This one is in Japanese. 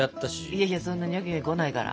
いやいやそんなニョキニョキ来ないから。